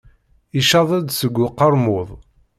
Yecceḍ-d seg uqermud.